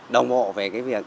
đồng bộ về cái việc